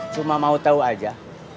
cuma mau tahu aja